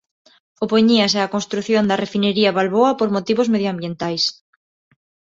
Opoñíase á construción da Refinería Balboa por motivos medioambientais.